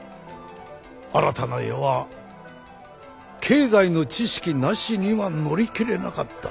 新たな世は経済の知識なしには乗り切れなかった。